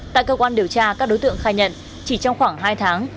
tại cơ quan điều tra các đối tượng khai nhận chỉ trong khoảng hai tháng